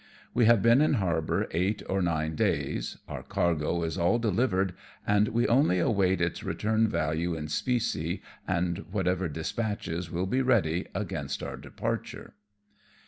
We have been in harbour eight or nine days, our cargo is all delivered, and we only await its return value in specie, and whatever dis patches will be ready against our departure.